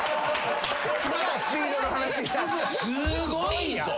すごいぞ。